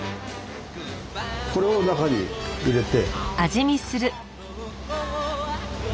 これを中に入れて。